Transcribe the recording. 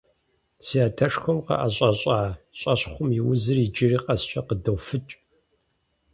Си адэшхуэм къыӀэщӀэщӀа щӀэщхъум и узыр иджыри къэскӀэ къыдофыкӀ.